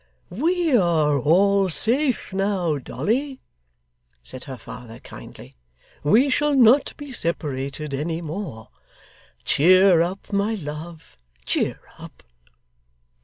'We are all safe now, Dolly,' said her father, kindly. 'We shall not be separated any more. Cheer up, my love, cheer up!